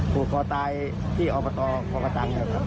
ผูกก่อตายที่ออกกระต่าง